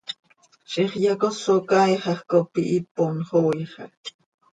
Ziix yacoso caaixaj cop ihipon xooixaj.